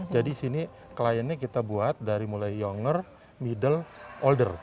jadi sini kliennya kita buat dari mulai younger middle older